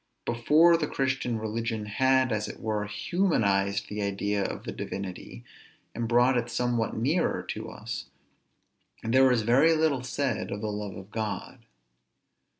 Before the Christian religion had, as it were, humanized the idea of the Divinity, and brought it somewhat nearer to us, there was very little said of the love of God.